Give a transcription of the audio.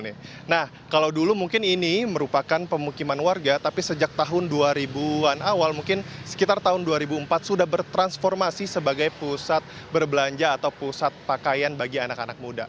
nah kalau dulu mungkin ini merupakan pemukiman warga tapi sejak tahun dua ribu an awal mungkin sekitar tahun dua ribu empat sudah bertransformasi sebagai pusat berbelanja atau pusat pakaian bagi anak anak muda